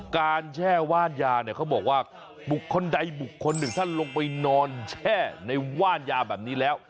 แช่ว่านยาเนี่ยเขาบอกว่าบุคคลใดบุคคลหนึ่งท่านลงไปนอนแช่ในว่านยาแบบนี้แล้ว